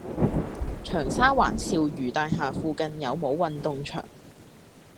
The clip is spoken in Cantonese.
長沙灣肇如大廈附近有無運動場？